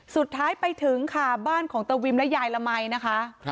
สุดท้ายไปถึงค่ะบ้านของตะวิมและยายละมัยนะคะ